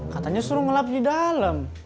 katanya suruh ngelap di dalam